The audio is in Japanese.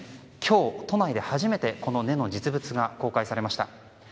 今日、都内で初めてこの根の実物が公開されました。